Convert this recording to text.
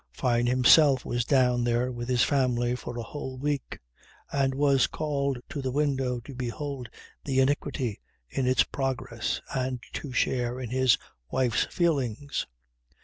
Fyne himself was down there with his family for a whole week and was called to the window to behold the iniquity in its progress and to share in his wife's feelings.